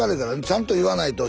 ちゃんと言わないと。